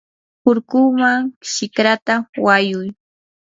hurkunman shikrata wayuy.